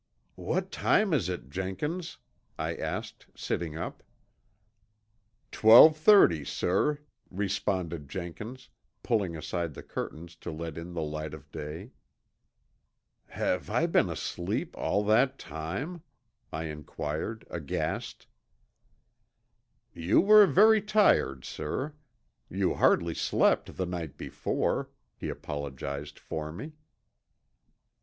"What time is it, Jenkins?" I asked, sitting up. "Twelve thirty, sir," responded Jenkins, pulling aside the curtains to let in the light of day. "Have I been asleep all that time?" I inquired aghast. "You were very tired, sir. You hardly slept the night before," he apologized for me. "Mr.